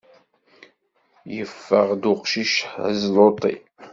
Yeffeɣ-d uqcic ḥezluṭi!